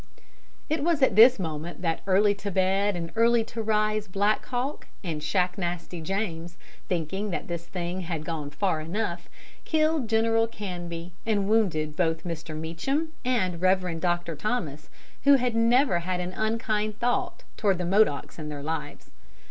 ] It was at this moment that Early to Bed and Early to Rise Black Hawk and Shacknasty James, thinking that this thing had gone far enough, killed General Canby and wounded both Mr. Meacham and Rev. Dr. Thomas, who had never had an unkind thought toward the Modocs in their lives.